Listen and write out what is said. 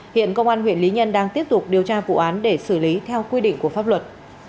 hiện công an huyện lý nhân đang tiếp tục điều tra vụ án để xử lý theo quy định của pháp luật